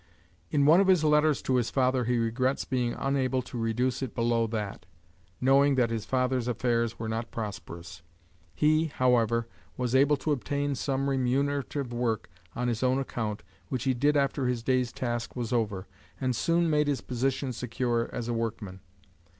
In one of his letters to his father he regrets being unable to reduce it below that, knowing that his father's affairs were not prosperous. He, however, was able to obtain some remunerative work on his own account, which he did after his day's task was over, and soon made his position secure as a workman.